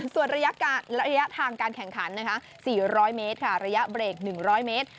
ส่วนระยะทางการแข่งขัน๔๐๐เมตรค่ะระยะเบรก๑๐๐เมตร